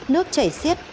nước chảy xiếp